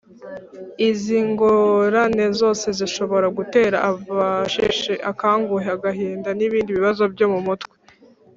Izi ngorane zose zishobora gutera abasheshe akanguhe agahinda n ibindi bibazo byo mu mutwe